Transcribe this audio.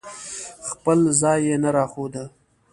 خپل ځای یې نه راښوده.